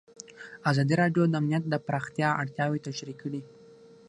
ازادي راډیو د امنیت د پراختیا اړتیاوې تشریح کړي.